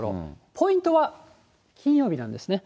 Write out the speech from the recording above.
ポイントは金曜日なんですね。